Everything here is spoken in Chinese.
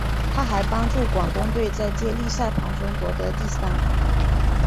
她还帮助广东队在接力赛跑中夺得第三。